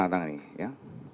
sangat sangkut ini ya